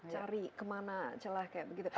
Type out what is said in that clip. cari kemana celah kayak begitu